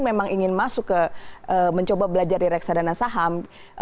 memang ingin masuk ke mencoba belajar di reksadana saham